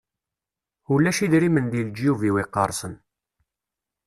Ulac idrimen deg leǧyub-iw iqersen.